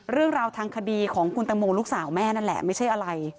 เรื่องราวทางคดีของคุณตังโมลูกสาวแม่นั่นแหละไม่ใช่อะไร